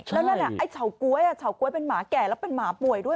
แล้วนั่นไอ้เฉาก๊วยเฉาก๊วยเป็นหมาแก่แล้วเป็นหมาป่วยด้วย